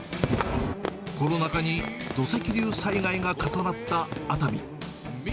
コロナ禍に土石流災害が重なった熱海。